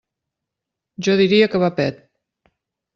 Jo diria que va pet.